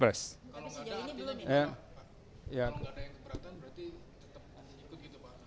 kalau nggak ada yang keberatan berarti tetap ikut gitu pak